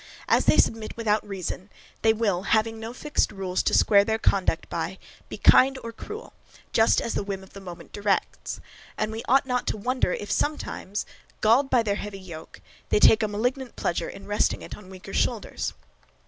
As they submit without reason, they will, having no fixed rules to square their conduct by, be kind or cruel, just as the whim of the moment directs; and we ought not to wonder if sometimes, galled by their heavy yoke, they take a malignant pleasure in resting it on weaker shoulders.